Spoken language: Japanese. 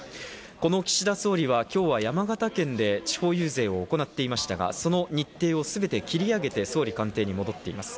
この岸田総理は今日は山形県で地方遊説を行っていましたが、その日程をすべて切り上げて総理官邸に戻っています。